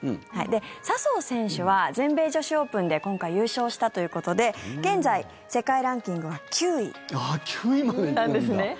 笹生選手は全米女子オープンで今回、優勝したということで現在、世界ランキングは９位なんですね。